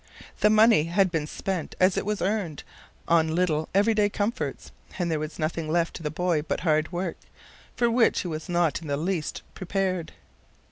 The money had been spent as it was earned on little every day comforts, and there was nothing left to the boy but hard work, for which he was not in the least prepared.